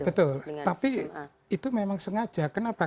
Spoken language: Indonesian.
betul tapi itu memang sengaja kenapa